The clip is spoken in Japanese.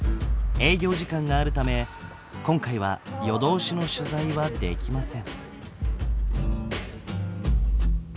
営業時間があるため今回は夜通しの取材はできません。